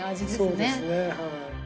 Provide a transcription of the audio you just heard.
そうですねはい。